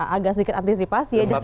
agak sedikit antisipasi ya jangan sampai